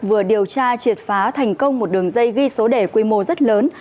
vừa điều tra triệt phá thành công một đường dây ghi số đề quy mô rất lớn